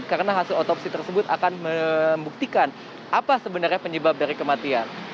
karena hasil otopsi tersebut akan membuktikan apa sebenarnya penyebab dari kematian